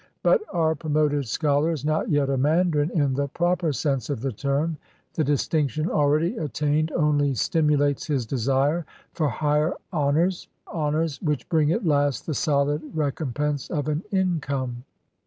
But our "Pro moted Scholar" is not yet a mandarin in the proper sense of the term. The distinction already attained only stimulates his desire for higher honors — honors, which bring at last the solid recompense of an income.